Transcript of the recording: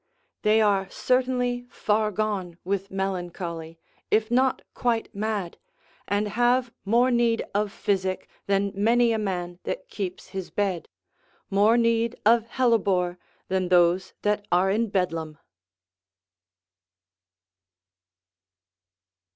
They are certainly far gone with melancholy, if not quite mad, and have more need of physic than many a man that keeps his bed, more need of hellebore than those that are in Bedlam.